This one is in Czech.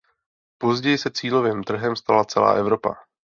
Později se cílovým trhem stala celá Evropa.